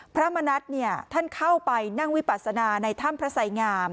พระมณัฐท่านเข้าไปนั่งวิปัสนาในถ้ำพระไสงาม